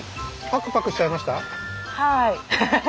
パクパクしちゃいました。